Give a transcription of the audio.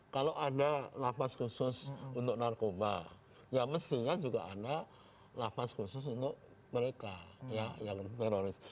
kalau ada lapas khusus untuk narkoba ya mestinya juga ada lapas khusus untuk mereka yang teroris